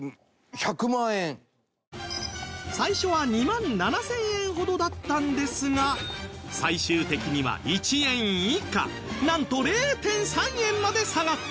最初は２万７０００円ほどだったんですが最終的には１円以下なんと ０．３ 円まで下がった！